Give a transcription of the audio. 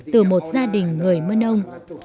từ một gia đình người mân âu